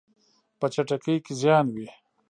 په چټکۍ کې زیان وي.